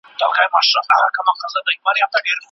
پوهانو د پلان جوړوني اهداف په روښانه ډول بيان کړي وو.